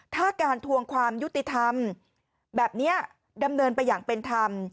ถ้าการทวงความยุติธรรมแบบนี้ดำเนินไปอย่างเป็นธรรม